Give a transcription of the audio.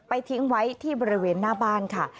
ทิ้งไว้ที่บริเวณหน้าบ้านค่ะ